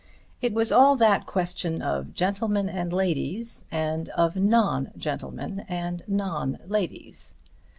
It was all that question of gentlemen and ladies, and of non gentlemen and non ladies!